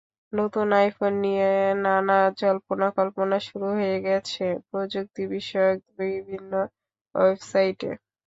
নতুন আইফোন নিয়ে নানা জল্পনা-কল্পনা শুরু হয়ে গেছে প্রযুক্তি বিষয়ক বিভিন্ন ওয়েবসাইটে।